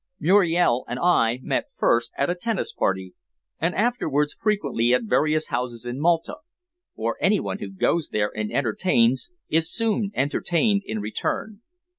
"Muriel and I met first at a tennis party, and afterwards frequently at various houses in Malta, for anyone who goes there and entertains is soon entertained in return.